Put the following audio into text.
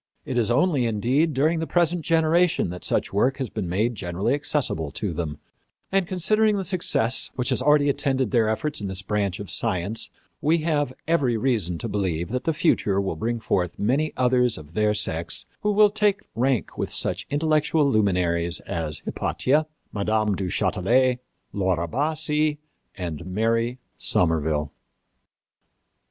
It is only, indeed, during the present generation that such work has been made generally accessible to them; and, considering the success which has already attended their efforts in this branch of science, we have every reason to believe that the future will bring forth many others of their sex who will take rank with such intellectual luminaries as Hypatia, Mme. du Châtelet, Laura Bassi and Mary Somerville.